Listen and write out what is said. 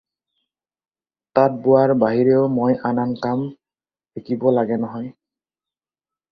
তাঁত বোৱাৰ বাহিৰেও মই আন আন কাম শিকিব লাগে নহয়